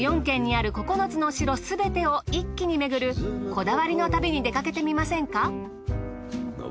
４県にある９つの城すべてを一気にめぐるこだわりの旅に出かけてみませんか？